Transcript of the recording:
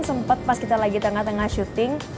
sempat pas kita lagi tengah tengah syuting